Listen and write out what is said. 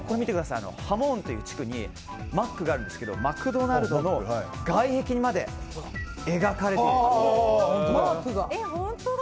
ハーモンという地区にマックがあるんですがマクドナルドの外壁にまで描かれているんです。